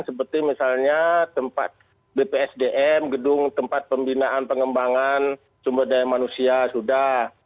seperti misalnya tempat bpsdm gedung tempat pembinaan pengembangan sumber daya manusia sudah